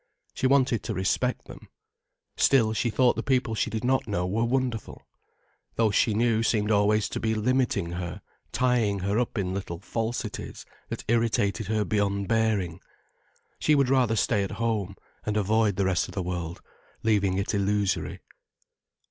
She wanted to respect them. Still she thought the people she did not know were wonderful. Those she knew seemed always to be limiting her, tying her up in little falsities that irritated her beyond bearing. She would rather stay at home and avoid the rest of the world, leaving it illusory.